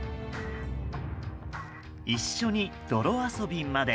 一緒に泥遊びまで。